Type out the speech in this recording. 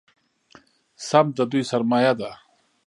سمت د دوی سرمایه ده.